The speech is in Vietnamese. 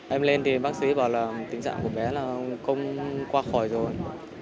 em lên thì bác sĩ bảo là tình trạng của bé là không qua khỏi rồi